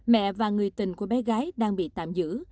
mẹ và người tình của bé gái đang bị tạm giữ